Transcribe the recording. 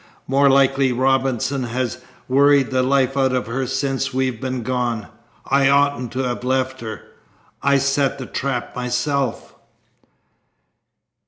"More likely Robinson has worried the life out of her since we've been gone. I oughtn't to have left her. I set the trap myself."